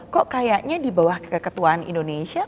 kok kayaknya di bawah keketuaan indonesia